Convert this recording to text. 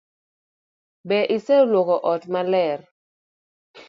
Be iseluoko ot maler?